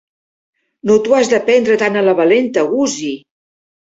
No t'ho has de prendre tan a la valenta, Gussie.